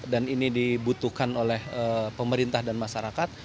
dan ini dibutuhkan oleh pemerintah dan masyarakat